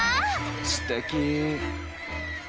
すてき！